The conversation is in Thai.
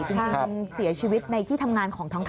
จริงเสียชีวิตในที่ทำงานของทั้งคู่